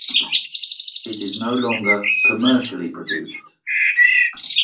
It is no longer commercially produced.